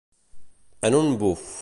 En un buf.